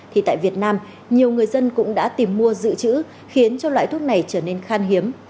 thì tại việt nam nhiều người dân cũng đã tìm mua dự trữ khiến cho loại thuốc này trở nên khan hiếm